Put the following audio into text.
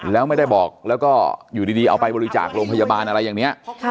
แล้วไม่ได้บอกแล้วก็อยู่ดีเอาไปบริจาคโรงพยาบาลอะไรอย่างนี้